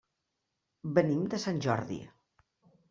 Venim de Sant Jordi.